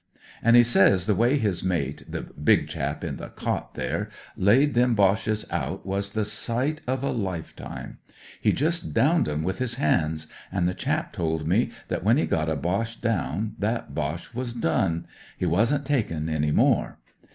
An' he says the way his mate — ^the big chap in the cot there — ^laid them Boches out was the sight of a hfe time. He just downed 'en with his hands, an' the chap told me that when he got a Boche down, that Boche was done ; he wasn't takin' any more.